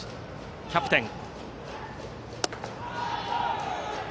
キャプテン。